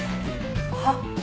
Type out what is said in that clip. はっ？